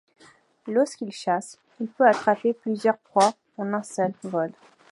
Lorsqu'il chasse, il peut attraper plusieurs proies en un seul vol.